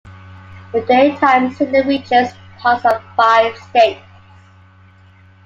The daytime signal reaches parts of five states.